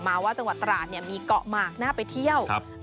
อยากจะหยิบมาครับ